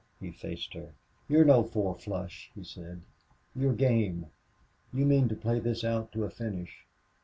He faced her. "You're no four flush," he said. "You're game. You mean to play this out to a finish....